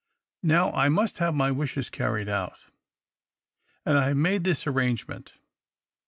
Now I must have my wishes carried out, and I have made this arrangement.